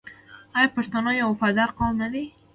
آیا پښتون یو وفادار قوم نه دی؟